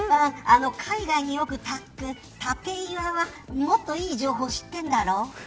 海外によく行く立岩はもっといい情報知ってるんだろう。